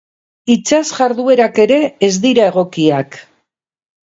Itsas jarduerak ere ez dira egokiak.